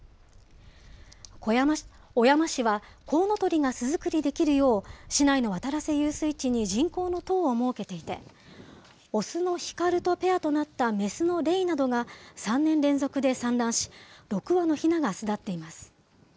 小山市はコウノトリが巣作りできるよう市内の渡良瀬遊水地に人工の塔を設けていて、雄のひかるとペアとなった雌のレイなどが、３年連続で産卵し、６羽のひなが巣立っています。